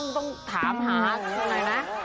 ต้องถามหาไปไหนนะ